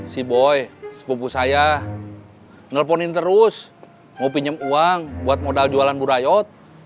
si boy sepupu saya nelfonin terus mau pinjem uang buat modal jualan burayot